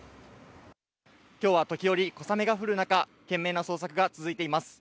きょうは時折、小雨が降る中、懸命な捜索が続いています。